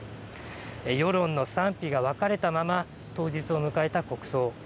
世論の賛否が分かれたまま、当日を迎えた国葬。